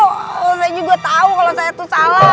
saya juga tau kalau saya itu salah